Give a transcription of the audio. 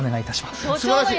すばらしい！